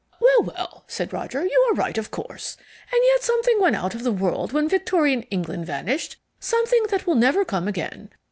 "Well, well," said Roger. "You are right, of course. And yet something went out of the world when Victorian England vanished, something that will never come again.